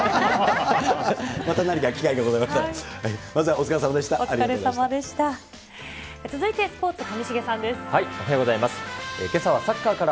また何か機会がございましたら。